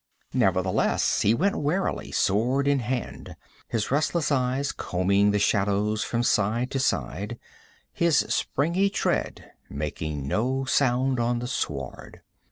Nevertheless he went warily, sword in hand, his restless eyes combing the shadows from side to side, his springy tread making no sound on the sward.